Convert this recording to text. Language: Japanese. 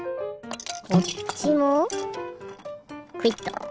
こっちもクイッと。